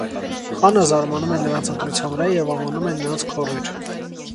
Խանը զարմանում է նրանց ընտրության վրա և անվանում է նրանց «քոռեր»։